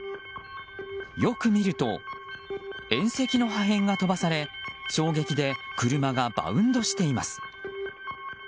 よく見ると縁石の破片が飛ばされ衝撃で車がバウンドしています。